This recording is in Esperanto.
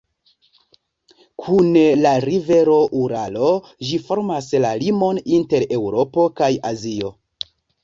Kun la rivero Uralo ĝi formas la limon inter Eŭropo kaj Azio.